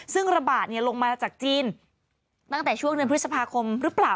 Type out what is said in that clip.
ซึ่งระบาดลงมาจากจีนตั้งแต่ช่วงเดือนพฤษภาคมหรือเปล่า